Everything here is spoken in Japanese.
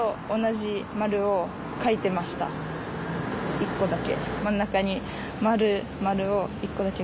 １個だけ。